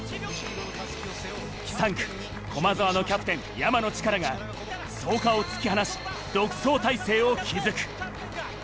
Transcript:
３区、駒澤のキャプテン・山野力が創価を突き放し、独走態勢を築く。